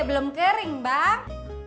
eh belum kering bang